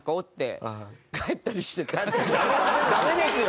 ダメですよ！